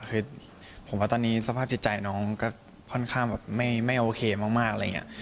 คือผมว่าตอนนี้สภาพจิตใจน้องก็ค่อนข้างแบบไม่โอเคมากอะไรอย่างนี้